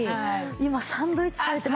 今サンドイッチされてますよ。